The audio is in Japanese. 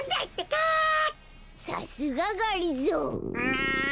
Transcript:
さすががりぞー。